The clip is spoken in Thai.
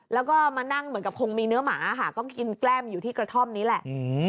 แล้วก็มานั่งเหมือนกับคงมีเนื้อหมาค่ะก็กินแกล้มอยู่ที่กระท่อมนี้แหละ